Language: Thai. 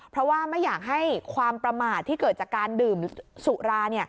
เพราะว่าไม่อยากให้ความประมาทที่เกิดจากการดื่มสุรา